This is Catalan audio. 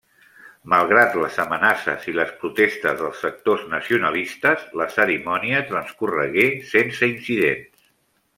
Malgrat les amenaces i les protestes dels sectors nacionalistes, la cerimònia transcorregué sense incidents.